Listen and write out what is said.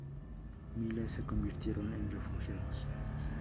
Miles se convirtieron en refugiados.